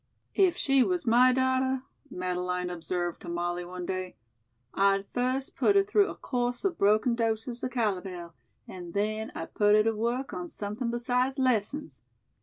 "If she was my daughter," Madeleine observed to Molly one day, "I'd first put her through a course of broken doses of calomel, and then I'd put her to work on something besides lessons.